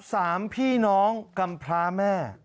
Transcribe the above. สามพี่น้องกำพลาแม่